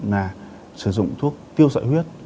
là sử dụng thuốc tiêu sợi huyết